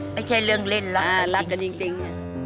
ไม่ใช่เรื่องเล่นแล้วรักกันจริง